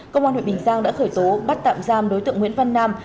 công an huyện bình giang đã khởi tố bắt tạm giam đối tượng nguyễn văn nam